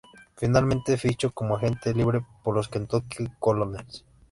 Finalmente fichó como agente libre por los Kentucky Colonels.